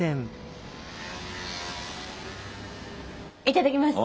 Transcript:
いただきます。